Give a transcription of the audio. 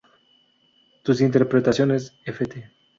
Tus Interpretaciones ft.